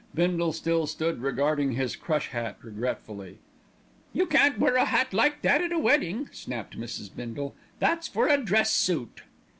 Bindle still stood regarding his crush hat regretfully. "You can't wear a hat like that at a wedding," snapped Mrs. Bindle; "that's for a dress suit."